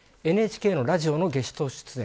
ＮＨＫのラジオのゲスト出演。